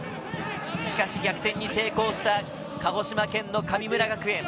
しかし、逆転に成功した鹿児島県の神村学園。